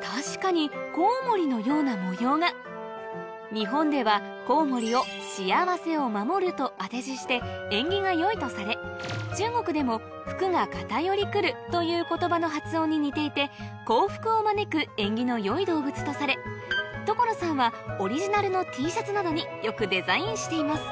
確かにコウモリのような模様が日本ではコウモリを「幸せを守る」と当て字して縁起が良いとされ中国でも「福が偏り来る」という言葉の発音に似ていて幸福を招く縁起の良い動物とされ所さんはオリジナルのＴシャツなどによくデザインしています